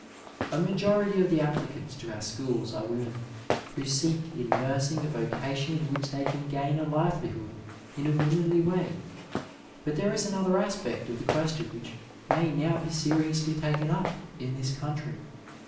A majority of the applicants to oui schools are women who seek in nursing a vocation in which they can gain a livelihood in a womanly way ; but there is another aspect of the question which may now be seriously taken up in this country.